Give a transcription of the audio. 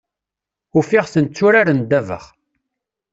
Ufiɣ-ten tturaren ddabax.